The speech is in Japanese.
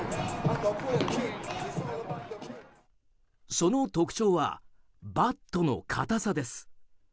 その特徴はバットの硬さです。